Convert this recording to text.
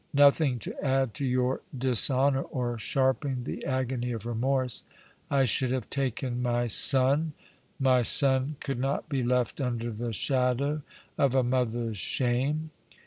Nothing to add to your dishonour or sharpen the agony of remorse. I should have taken my son — my son could not be left under the shadow of a mother's shame.